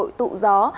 hội tụ gió